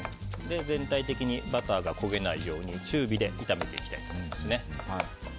全体的にバターが焦げないように中火で炒めていきたいと思います。